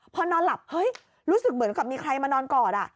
พอนอนหลับเฮ้ยรู้สึกเหมือนกับมีใครมานอนกอด